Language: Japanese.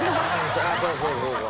そうそうそうそう。